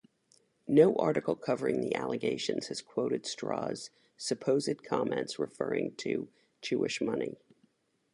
No article covering the allegations has quoted Straw's supposed comments referring to "Jewish money".